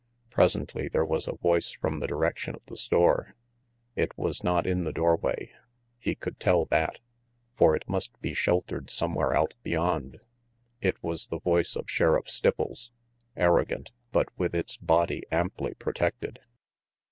Presently there was a voice from the direction of the store. It was not in the doorway, he could tell that; for it must be sheltered somewhere out beyond. It was the voice of Sheriff Stipples, arrogant, but with its body amply protected.